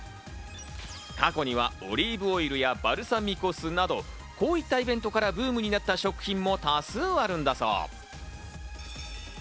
過去にはオリーブオイルやバルサミコ酢など、こういったイベントからブームになった食品も多数あるんだそう。